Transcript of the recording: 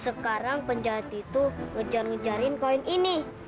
sekarang penjahat itu ngejar ngejarin koin ini